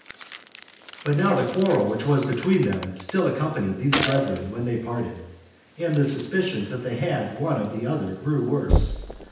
1. But now the quarrel that was between them still accompanied these brethren when they parted, and the suspicions they had one of the other grew worse.